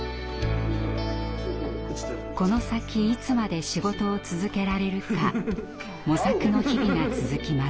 この先いつまで仕事を続けられるか模索の日々が続きます。